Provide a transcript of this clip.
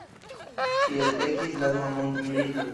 Tiel ekis la Dua mondmilito.